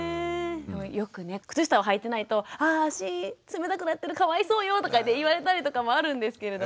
よくね靴下をはいてないと「あ足冷たくなってるかわいそうよ」とか言われたりとかもあるんですけれども。